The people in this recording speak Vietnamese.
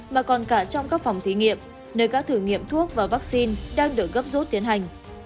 mà còn cả trong các phòng thí nghiệm nơi các thử nghiệm thuốc và vaccine đang được gấp rút tiến hành